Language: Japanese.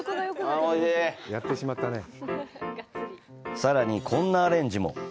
さらにこんなアレンジも。